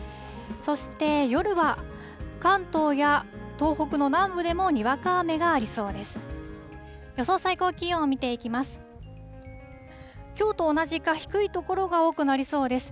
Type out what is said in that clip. そして夜は、関東や東北の南部でもにわか雨がありそうです。